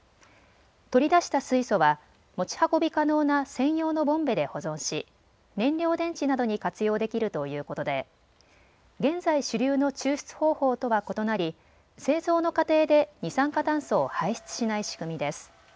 取り出した水素は持ち運び可能な専用のボンベで保存し燃料電池などに活用できるということで現在、主流の抽出方法とは異なり製造の過程で二酸化炭素を排出しない仕組みです。